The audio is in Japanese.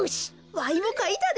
わいもかいたで。